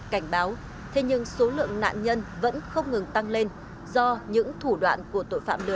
cảnh báo thế nhưng số lượng nạn nhân vẫn không ngừng tăng lên do những thủ đoạn của tội phạm lừa